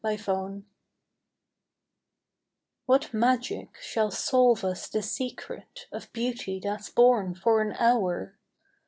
INTERPRETED What magic shall solve us the secret Of beauty that's born for an hour?